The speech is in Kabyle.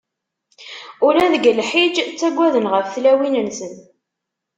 Ula deg lḥiǧ ttagaden ɣef tlawin-nsen!